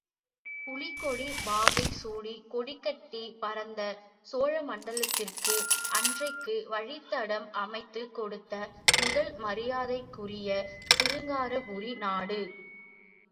புலிக்கொடி வாகை சூடிக் கொடிகட்டி பறந்த சோழமண்டலத்திற்கு, அன்றைக்கு வழித்தடம் அமைத்துக் கொடுத்த முதல் மரியாதைக்குரியது சிருங்காரபுரி நாடு!..